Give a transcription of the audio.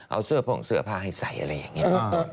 เอาเสื้อผ่องเสื้อผ้าให้ใส่อะไรอย่างนี้